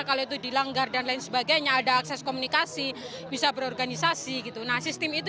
kalau itu dilanggar dan lain sebagainya ada akses komunikasi bisa berorganisasi gitu nah sistem itu